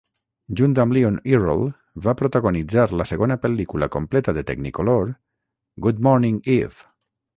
Junt amb Leon Errol, va protagonitzar la segona pel·lícula completa de Technicolor Good Morning, Eve!